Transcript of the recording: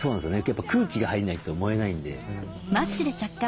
やっぱ空気が入んないと燃えないんで。